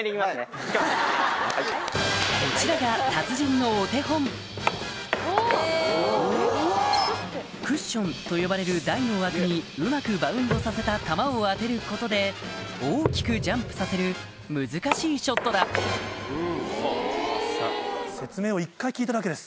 こちらがクッションと呼ばれる台の枠にうまくバウンドさせた球を当てることで大きくジャンプさせる難しいショットだ説明を１回聞いただけです。